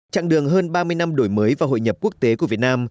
trạng đường hơn ba mươi năm đổi mới và hội nhập quốc tế của việt nam